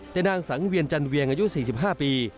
แต่นางสังเวียนจันเวียงอายุ๔๕ปี